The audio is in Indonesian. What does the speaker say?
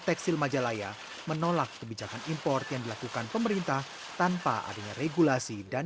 tekstil majalaya menolak kebijakan impor yang dilakukan pemerintah tanpa adanya regulasi dan